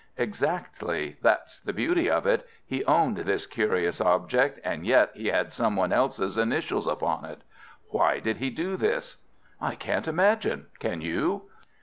"Exactly! That's the beauty of it. He owned this curious object, and yet he had some one else's initials upon it. Why did he do this?" "I can't imagine; can you?"